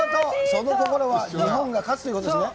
その心は日本が勝つということですね。